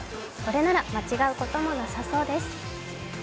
これなら間違うこともなさそうです。